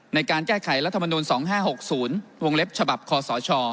ในการแก้ไขรัฐมนุน๒๕๖๐วงเล็บฉบับคอสช